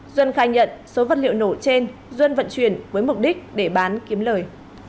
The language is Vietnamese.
duân khai nhận số vật liệu nổ trên duân vận chuyển với mục đích để bán kiếm lời